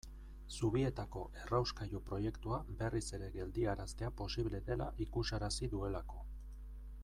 Zubietako errauskailu proiektua berriz ere geldiaraztea posible dela ikusarazi duelako.